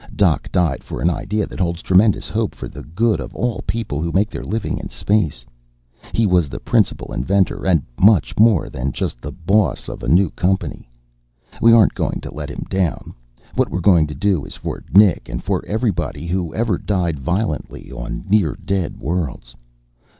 Doc died for an idea that holds tremendous hope for the good of all people who make their living in space. He was the principal inventor, and much more than just the boss of a new company. We aren't going to let him down. What we're going to do is for Nick, and for everybody who ever died violently on near dead worlds.